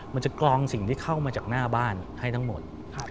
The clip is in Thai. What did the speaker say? จะกรองสิ่งที่เข้ามาจากหน้าบ้านให้ทั้งหมด